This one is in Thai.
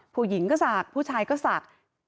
ผู้หญิงก็สักผู้ชายก็สัก